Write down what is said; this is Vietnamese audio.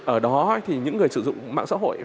ở đó thì những người sử dụng mạng xã hội